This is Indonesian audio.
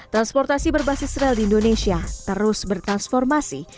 transportasi berbasis rel di indonesia terus bertransformasi